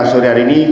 suri hari ini